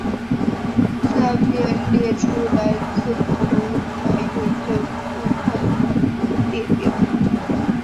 下面列出来自不同来源的部派列表。